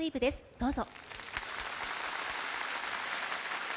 どうぞ。